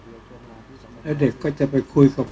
ก็ต้องทำอย่างที่บอกว่าช่องคุณวิชากำลังทำอยู่นั่นนะครับ